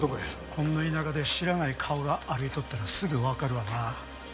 こんな田舎で知らない顔が歩いとったらすぐわかるわな。